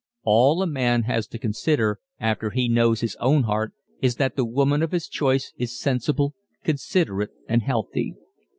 All a man has to consider after he knows his own heart is that the woman of his choice is sensible, considerate and healthy.